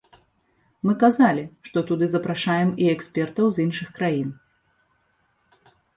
Мы казалі, што туды запрашаем і экспертаў з іншых краін.